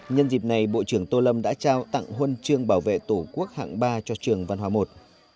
nhân dịp này bộ trưởng tô lâm đã trao tặng huân chương bảo vệ tổ quốc hạng ba cho trường văn hóa i